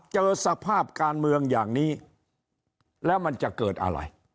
เจอสภาพการเมืองอย่างนี้แล้วมันจะเกิดอะไร